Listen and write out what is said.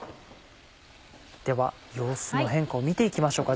では様子の変化を見て行きましょうか。